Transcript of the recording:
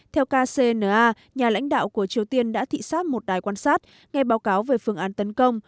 theo kcna nhà lãnh đạo của triều tiên đã thị xát một đài quan sát nghe báo cáo về phương án tấn công